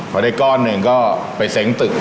พอได้ก้อนหนึ่งก็ไปเซ้งตึก